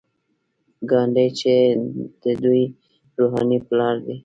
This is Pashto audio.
ګاندي جی د دوی روحاني پلار دی.